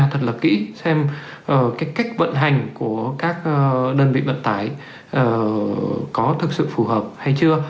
thật là kỹ xem cái cách vận hành của các đơn vị vận tải có thực sự phù hợp hay chưa